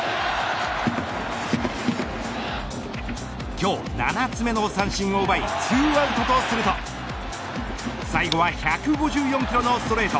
今日７つ目の三振を奪い２アウトとすると最後は１５４キロのストレート。